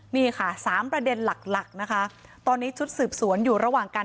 นี่ค่ะสามประเด็นหลักหลักนะคะตอนนี้ชุดสืบสวนอยู่ระหว่างการ